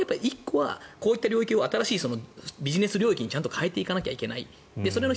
これは１個はこういった領域を新しいビジネス領域に変えていかなきゃいけない。